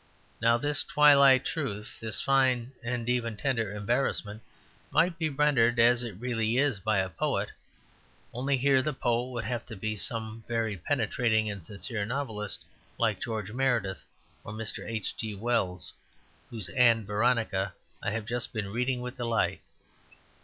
Now, this twilight truth, this fine and even tender embarrassment, might be rendered, as it really is, by a poet, only here the poet would have to be some very penetrating and sincere novelist, like George Meredith, or Mr. H. G. Wells, whose "Ann Veronica" I have just been reading with delight.